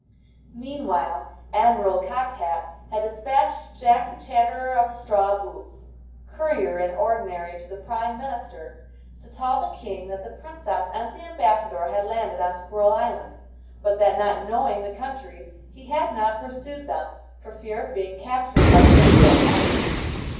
Meanwhile Admiral Cocked Hat had despatched Jack the Chatterer of the Straw Boots, Courier in Ordinary to the Prime Minister, to tell the King that the Princess and the Ambassador had landed on Squirrel Island, but that not knowing the country he had not pursued them, for fear of being captured by concealed enemies.